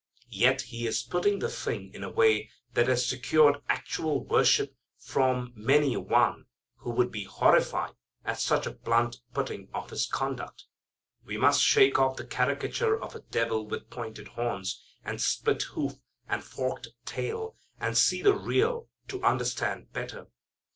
Yet he is putting the thing in a way that has secured actual worship from many a'one who would be horrified at such a blunt putting of his conduct. We must shake off the caricature of a devil with pointed horns, and split hoof, and forked tail, and see the real, to understand better.